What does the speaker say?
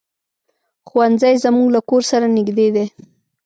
ښوونځی زمونږ له کور سره نږدې دی.